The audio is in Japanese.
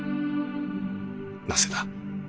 なぜだ？